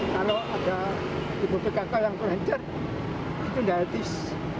kalau ada ibu pkk yang kelenjar itu tidak artis